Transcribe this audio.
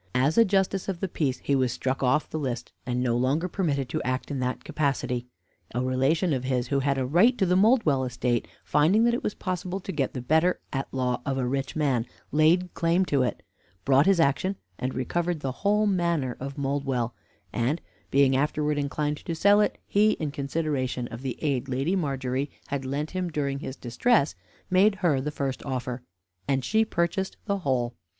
As a justice of the peace he was struck off the list, and no longer permitted to act in that capacity. A relation of his who had a right to the Mouldwell estate, finding that it was possible to get the better at law of a rich man, laid claim to it, brought his action, and recovered the whole manor of Mouldwell; and being afterwards inclined to sell it, he in consideration of the aid Lady Margery had lent him during his distress, made her the first offer, and she purchased the whole.